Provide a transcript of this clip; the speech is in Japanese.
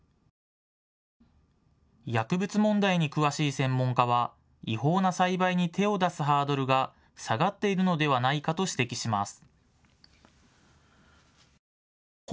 薬物問題に詳しい専門家は違法な栽培に手を出すハードルが下がっているのではないかと指摘します。